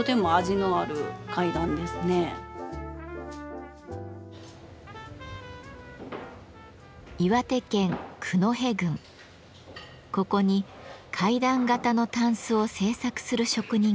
ここに階段型のたんすを制作する職人がいます。